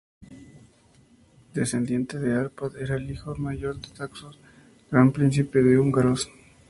Descendiente de Árpad, era el hijo mayor de Taxón, Gran príncipe de los húngaros.